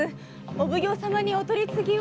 お奉行様にお取り次ぎを。